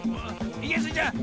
いけスイちゃん！